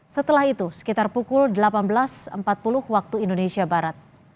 setelah itu sekitar pukul delapan belas empat puluh waktu indonesia barat